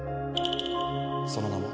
その名も。